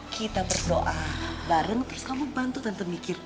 gak perlu doa bareng terus kamu bantu tante mikir